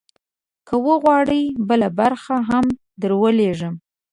که وغواړې، بله برخه هم درولیږم.